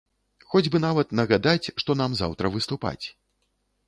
Хоць бы нават нагадаць, што нам заўтра выступаць.